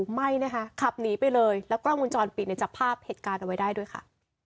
ไม่นะคะขับหนีไปเลยแล้วกล้องมุมจรปิดเนี่ยจับภาพเหตุการณ์เอาไว้ได้ด้วยค่ะ